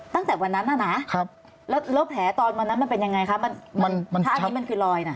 ตั้งแต่วันนั้นน่ะนะแล้วแผลตอนวันนั้นมันเป็นยังไงคะมันถ้าอันนี้มันคือรอยน่ะ